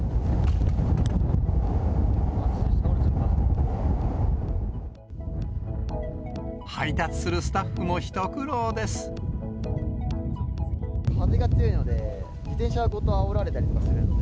あ、配達するスタッフも一苦労で風が強いので、自転車ごとあおられたりもするんで。